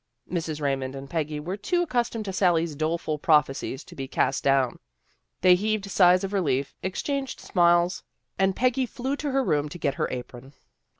Mrs. Raymond and Peggy were too accus tomed to Sally's doleful prophecies to be cast down. They heaved sighs of relief, exchanged RUTH IS PERPLEXED 165 smiles, and Peggy flew to her room to get her apron.